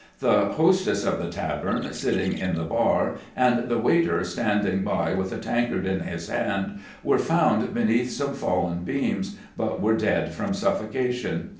The hostess of the tavern, sitting in the bar, and the waiter standing by with a tankard in his hand, were found beneath some fallen beams, but were dead from suffocation.